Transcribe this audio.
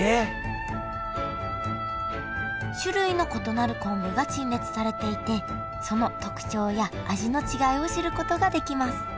種類の異なる昆布が陳列されていてその特徴や味の違いを知ることができます